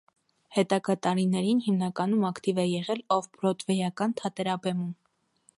Հետագա տարիներին հիմնականում ակտիվ է եղել օֆֆբրոդվեյական թատերաբեմում։